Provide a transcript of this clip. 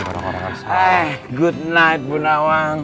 kecuali sama bu nawang